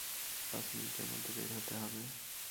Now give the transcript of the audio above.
পাঁচ মিনিটের মধ্যে বের হতে হবে।